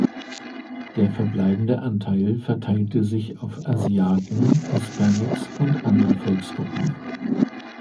Der verbleibende Anteil verteilte sich auf Asiaten, Hispanics und andere Volksgruppen.